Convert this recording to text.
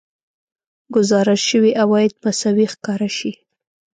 ګزارش شوي عواید مساوي ښکاره شي